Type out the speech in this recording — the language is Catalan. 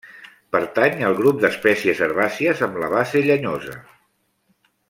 Pertany al grup d'espècies herbàcies amb la base llenyosa.